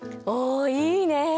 おいいね！